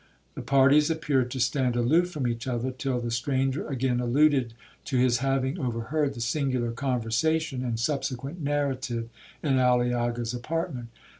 The parties appeared to stand aloof from each other, till the stranger again alluded to his having overheard the singular conversation and subsequent narrative in Aliaga's apartment.